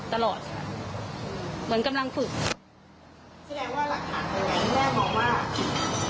ชีราชตลอดเหมือนกำลังฝึกแสดงว่าหลักฐานเป็นไง